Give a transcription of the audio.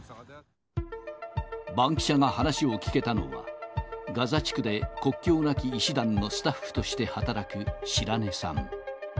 バンキシャが話を聞けたのは、ガザ地区で国境なき医師団のスタッフとして働く白根さん。